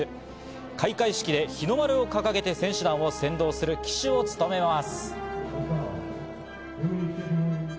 開会式で日の丸を掲げて選手団を先導する旗手を務めます。